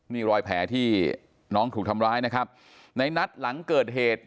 นี่รอยแผลที่น้องถูกทำร้ายนะครับในนัดหลังเกิดเหตุ